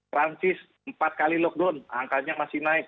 perancis empat kali lockdown angkanya masih naik